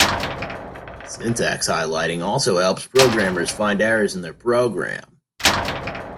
Syntax highlighting also helps programmers find errors in their program.